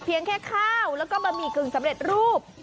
แค่ข้าวแล้วก็บะหมี่กึ่งสำเร็จรูป